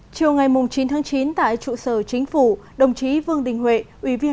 chiều ngày chín chín tại trụ sở chính phủ đồng chí vương đình huệ